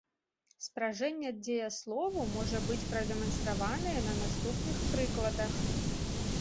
Спражэнне дзеяслову можа быць прадэманстраванае на наступных прыкладах.